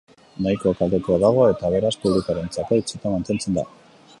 Nahiko kaltetua dago, eta beraz publikoarentzako itxita mantentzen da.